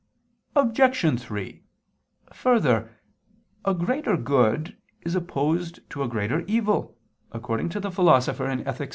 Obj. 3: Further, a greater good is opposed to a greater evil, according to the Philosopher (Ethic.